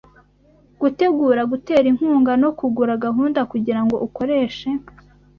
Gutegura gutera inkunga no kugura gahunda kugirango ukoreshe